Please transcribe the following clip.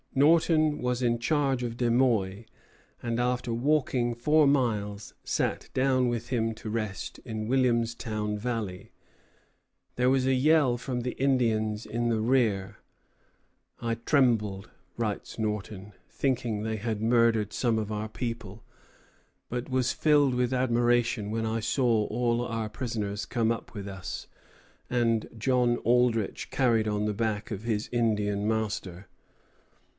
Norton was in charge of De Muy, and after walking four miles sat down with him to rest in Williamstown valley. There was a yell from the Indians in the rear. "I trembled," writes Norton, "thinking they had murdered some of our people, but was filled with admiration when I saw all our prisoners come up with us, and John Aldrich carried on the back of his Indian master."